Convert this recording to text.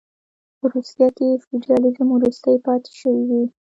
په روسیه کې فیوډالېزم وروستۍ پاتې شوې وې.